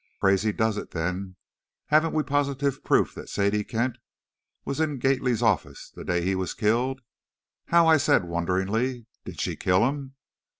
"Crazy does it, then! Haven't we positive proof that Sadie Kent was in Gately's office the day he was killed?" "How?" I said, wonderingly. "Did she kill him?"